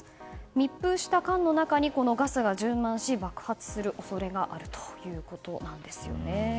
密封した缶の中にガスが充満し爆発する恐れがあるということです。